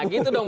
nah gitu dong